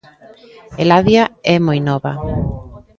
Eladia e moi nova.